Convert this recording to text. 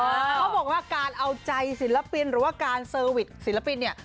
เขาบอกว่าการเอาใจศิลปินหรือว่าการเซอร์วิสศิลปินเนี่ย